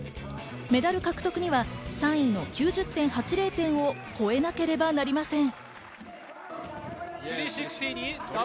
メダル獲得には３位の９０．８０点を超えなければなりません。